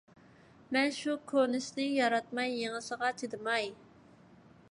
مەن شۇ كونىسىنى ياراتماي، يېڭىسىغا چىدىماي. ..